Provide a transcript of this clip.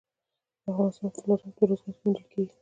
د افغانستان فلورایټ په ارزګان کې موندل کیږي.